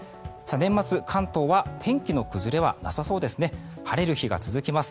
年末、関東は天気の崩れはなさそうです。